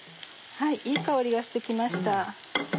いい香りがして来ました。